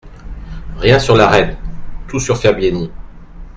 Rien sur La Reine , tout sur Fabiani.